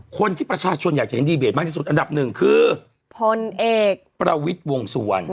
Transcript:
คนที่ประชาชนอยากจะเห็นดีเบตมากที่สุดอันดับหนึ่งคือพลเอกประวิทย์วงสุวรรณ